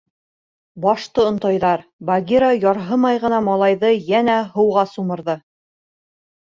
— Башты онтайҙар, — Багира ярһымай ғына малайҙы йәнә һыуға сумырҙы.